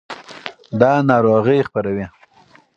دا ناروغۍ خپروي.